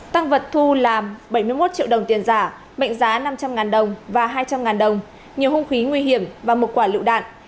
tăng vật thu là bảy mươi một triệu đồng tiền giả mệnh giá năm trăm linh đồng và hai trăm linh đồng nhiều hung khí nguy hiểm và một quả lựu đạn